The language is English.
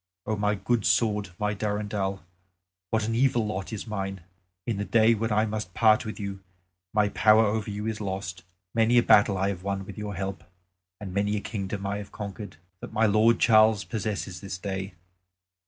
O my good sword, my Durendal, what an evil lot is mine! In the day when I must part with you, my power over you is lost. Many a battle I have won with your help; and many a kingdom have I conquered, that my lord Charles possesses this day.